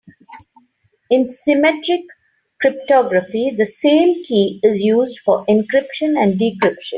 In symmetric cryptography the same key is used for encryption and decryption.